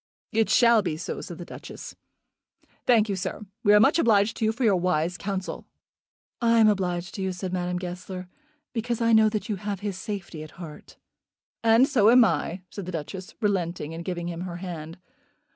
"It shall be so," said the Duchess. "Thank you, sir. We are much obliged to you for your wise counsel." "I am obliged to you," said Madame Goesler, "because I know that you have his safety at heart." "And so am I," said the Duchess, relenting, and giving him her hand.